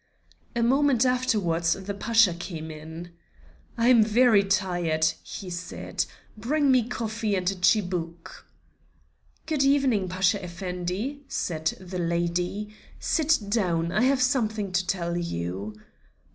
A moment afterwards the Pasha came in. "I am very tired," he said; "bring me coffee and a chibook." "Good evening, Pasha Effendi," said the lady. "Sit down. I have something to tell you."